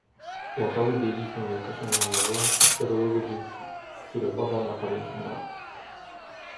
"Łatały bieliznę jaka się znalazła, i śpiewały godzinki, które baba na pamięć umiała."